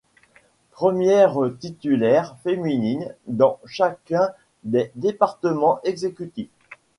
Premières titulaires féminines dans chacun des départements exécutifs.